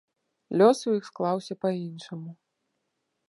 Лёс у іх склаўся па-іншаму.